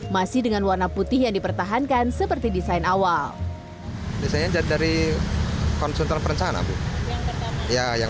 masih dengan warna putih yang dipertahankan seperti disanjung